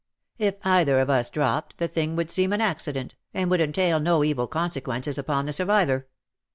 If either of us dropped, the thing would seem an accident, and would entail no evil consequences upon the survivor.